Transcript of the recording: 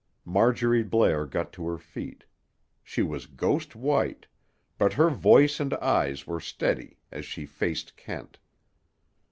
Marjorie Blair got to her feet. She was ghost white; but her voice and eyes were steady, as she faced Kent.